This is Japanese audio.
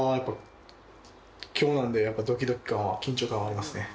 今日なんで、ドキドキ感、緊張感はありますね。